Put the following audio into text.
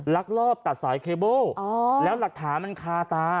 ลักลอบตัดสายเคเบิ้ลแล้วหลักฐานมันคาตา